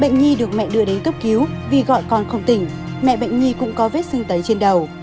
khi được mẹ đưa đến cấp cứu vì gọi con không tỉnh mẹ bệnh nhi cũng có vết xương tấy trên đầu